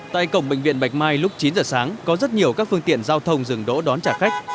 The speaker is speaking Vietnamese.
tại cổng bệnh viện bạch mai lúc chín giờ sáng có rất nhiều các phương tiện giao thông dừng đỗ đón trả khách